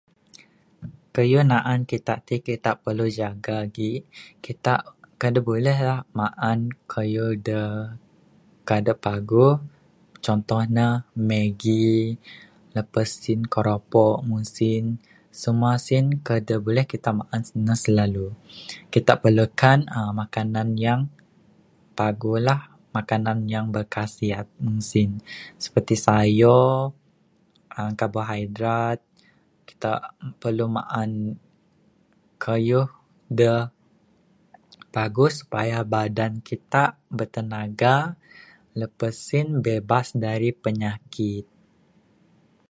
Kayuh naan kita ti, kita perlu jaga gik, kita kan ne buleh lah maan kayuh da kaik de paguh, contoh ne maggie lepasin koropok meng sien. Semua sien kayuh da buleh kita maan ne slalu. Kita perlukan erm makanan yang paguh lah, makanan yang berkhasiat. Mengsin, seperti sayor, aaa khabohidrat kita perlu maan kayuh da bagus supaya badan kita bertenaga, lepas en bebas dari penyakit.